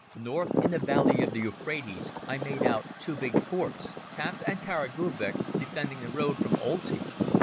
North in the valley of the Euphrates I made out two big forts, Tafta and Kara Gubek, defending the road from Olti.